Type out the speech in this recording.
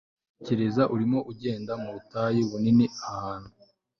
TEKEREZA urimo ugenda mu butayu bunini Ahantu